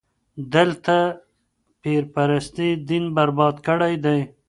دلته پير پرستي دين برباد کړی دی.